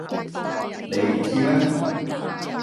你唔知咩